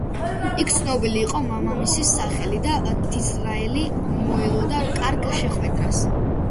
იქ ცნობილი იყო მამამისის სახელი და დიზრაელი მოელოდა კარგ შეხვედრას.